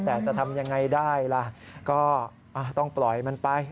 แต่จะทำยังไงได้ล่ะก็ต้องปล่อยมันไป